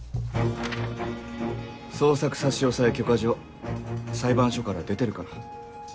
捜索差押許可状裁判所から出てるから。